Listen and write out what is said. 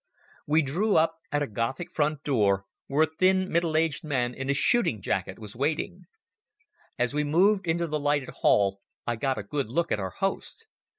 We drew up at a Gothic front door, where a thin middle aged man in a shooting jacket was waiting. As we moved into the lighted hall I got a good look at our host.